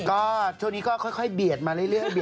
ก็ช่วงนี้ก็ค่อยเบียดมาเรื่อย